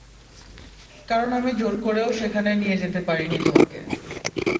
কারণ আমি জোর করেও সেখানে নিয়ে যেতে পারিনি তোমাকে।